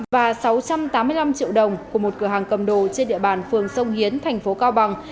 và sáu trăm tám mươi năm triệu đồng của một cửa hàng cầm đồ trên địa bàn phường sông hiến thành phố cao bằng